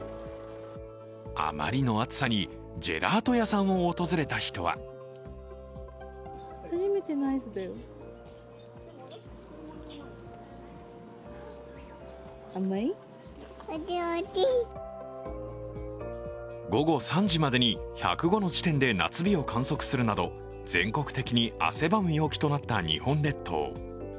あまりの暑さにジェラート屋さんを訪れた人は午後３時までに１０５の地点で夏日を観測するなど全国的に汗ばむ陽気となった日本列島。